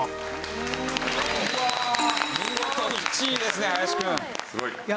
すごい。